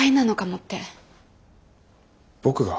僕が？